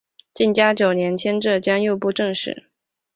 嘉靖九年迁浙江右布政使。